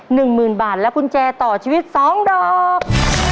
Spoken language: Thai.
๑หมื่นบาทและกุญแจต่อชีวิต๒ดอก